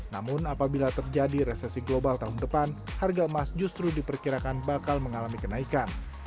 namun apabila terjadi resesi global tahun depan harga emas justru diperkirakan bakal mengalami kenaikan